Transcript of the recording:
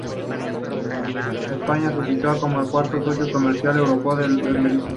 España se sitúa como cuarto socio comercial europeo en Belice.